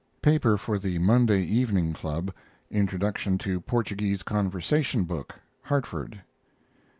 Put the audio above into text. paper for The Monday Evening Club. Introduction to Portuguese conversation book (Hartford).